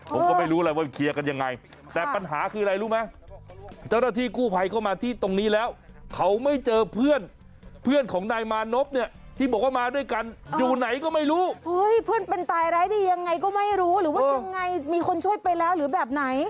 ของนายมานพเนี่ยที่บอกว่ามาด้วยกันอยู่ไหนก็ไม่รู้เฮ้ยเพื่อนเป็นตายร้ายดียังไงก็ไม่รู้หรือว่ายังไงมีคนช่วยไปแล้วหรือแบบไหน